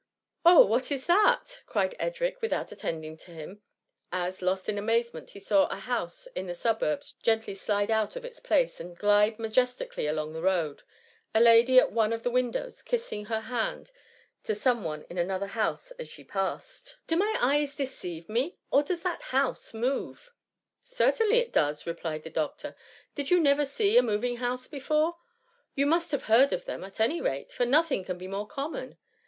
"^" Oh ! what is that ?" cried Edric, without attending to him, as, lost in amazement, he saw a house in the suburbs gently slide out of its place, and glide majestically along the road, a lady at one of the windows kissing her hand to THE MUMMY. 141 tome one in another house as she passed. Do my eyes deceive me, or does that house move ?^" Certainly it does,*" replied the doctor. *' Did you never see a moving house before ? You must have heard of them at any rate, for nothing can be more common.